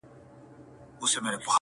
ښکلا پر سپینه غاړه ,